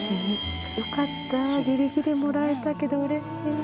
よかったギリギリもらえたけど嬉しい。